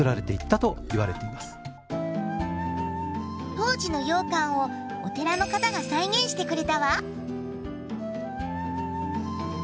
当時の羊羹をお寺の方が再現してくれたわ。